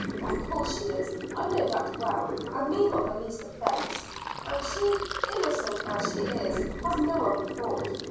"Of course she is. I know that well and mean not the least offense. And she, innocent as she is, has no other thought.